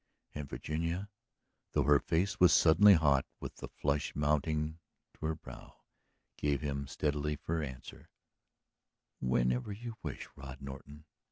And Virginia, though her face was suddenly hot with the flush mounting to her brow, gave him steadily for answer: "Whenever you wish, Rod Norton!"